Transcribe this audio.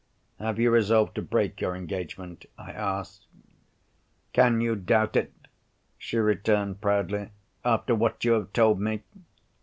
"Have you resolved to break your engagement?" I asked. "Can you doubt it?" she returned proudly, "after what you have told me!"